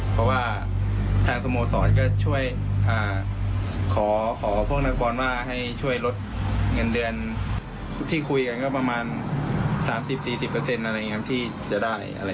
เพราะว่าทางสมสรรค์ก็ขอพวกนักบอลให้ช่วยลดเงินเดือนที่คุยกันประมาณ๓๐๔๐ที่จะได้